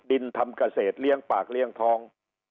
ดินทำเกษตรเลี้ยงปากเลี้ยงทอง